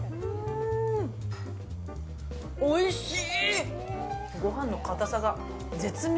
おいしい！